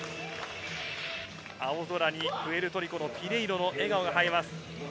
青空にプエルトリコのピネイロの笑顔が映えます。